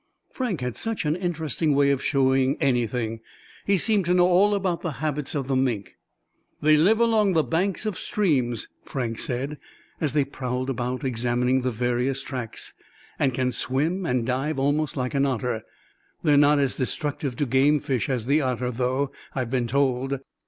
Frank had such an interesting way of showing anything. He seemed to know all about the habits of the mink. "They live along the banks of streams," Frank said, as they prowled about, examining the various tracks, "and can swim and dive almost like an otter. They are not as destructive to game fish as the otter, though, I've been told.